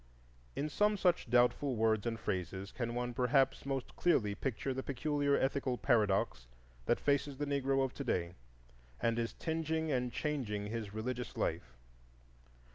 In some such doubtful words and phrases can one perhaps most clearly picture the peculiar ethical paradox that faces the Negro of to day and is tingeing and changing his religious life.